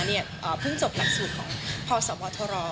เพิ่งจบหลักสูตรของพศวทร